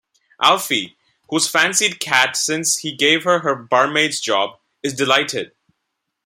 Alfie, who's fancied Kat since he gave her her barmaid's job, is delighted.